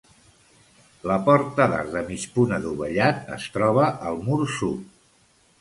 La porta d'arc de mig punt adovellat es troba al mur sud.